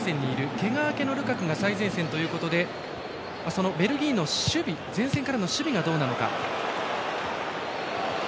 けが明けのルカクが最前線ということでベルギーの守備、前線からの守備がどうなのか。